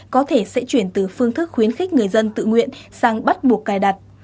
có thể sẽ chuyển từ phương thức khuyến khích người dân tự nguyện sang bắt buộc cài đặt